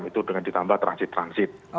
itu dengan ditambah transit transit